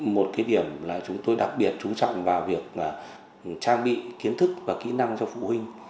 một cái điểm là chúng tôi đặc biệt trú trọng vào việc trang bị kiến thức và kỹ năng cho phụ huynh